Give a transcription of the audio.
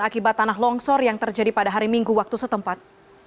akibat tanah longsor yang terjadi pada hari minggu waktu setempat